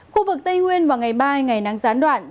khu vực tây nguyên vào ngày mai ngày nắng gián đoạn